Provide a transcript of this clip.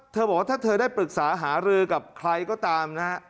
บอกว่าถ้าเธอได้ปรึกษาหารือกับใครก็ตามนะฮะ